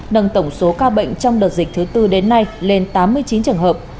nâng tổng số ca bệnh trong đợt dịch thứ tư đến nay lên tám mươi chín trường hợp